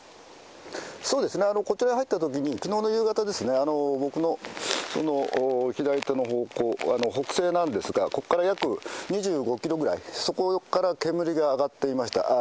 こちらに入ったときに、きのうの夕方ですね、僕の左手の方向、北西なんですが、ここから約２５キロぐらい、そこから煙が上がっていました。